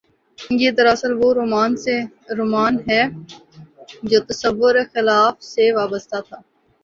یہ دراصل وہ رومان ہے جو تصور خلافت سے وابستہ تھا۔